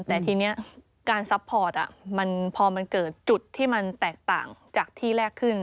แต่ทีนี้การซัพพอร์ตพอมันเกิดจุดที่มันแตกต่างจากที่แรกขึ้น